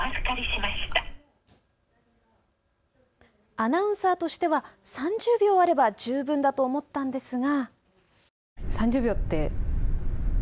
アナウンサーとしては３０秒あれば十分だと思ったんですが。